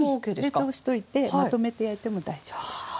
冷凍しておいてまとめて焼いても大丈夫です。